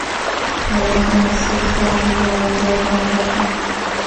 Dawn also has six grandchildren and one great-granddaughter.